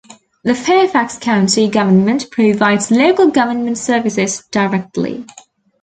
The Fairfax County Government provides local government services directly.